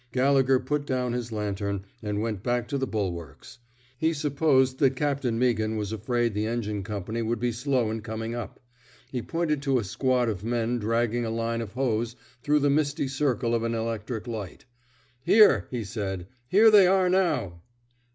Gallegher put down his lantern, and went back to the bulwarks. He supposed that Captain Meaghan was afraid the engine com pany would be slow in coming up. He pointed to a squad of men dragging a line of hose through the misty circle of an electric light. Here," he said. Here they are, now."